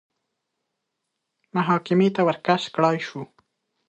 محاکمې ته ورکش کړای شو